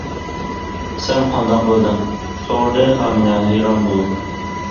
-سەن قانداق بىلدىڭ؟ -سورىدى ئامىنە ھەيران بولۇپ.